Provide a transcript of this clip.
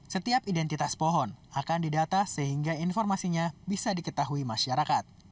setiap identitas pohon akan didata sehingga informasinya bisa diketahui masyarakat